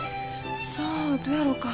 さあどうやろか。